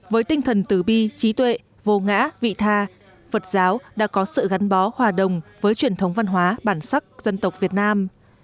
với tinh thần tứ bi trí tuệ vô ngã vị tha phật giáo đã có sự gắn bó hòa đồng với truyền thống văn hóa bản sắc dân tộc việt nam